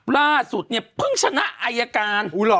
ล่าสุดเนี่ยเพิ่งชนะอายการ